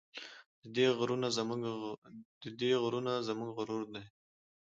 د دې غرونه زموږ غرور دی